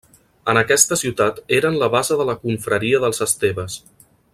En aquesta ciutat eren la base de la confraria dels esteves.